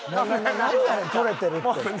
なんやねん「撮れてる」って。